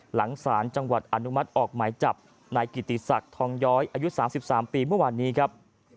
หลังศาลจังหวัดอนุมัติออกหมายจับนายกิติศักดิ์ทองย้อยอายุ๓๓ปีเมื่อวานนี้ครับ